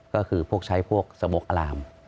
ก็คือพวกใช้พวกสมกอาราม